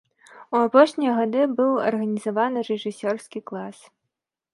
У апошнія гады быў арганізаваны рэжысёрскі клас.